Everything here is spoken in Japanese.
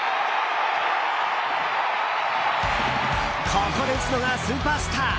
ここで打つのがスーパースター。